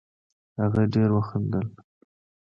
هغه ډېر وخندل